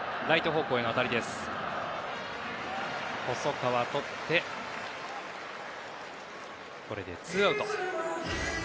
細川がとってこれでツーアウト。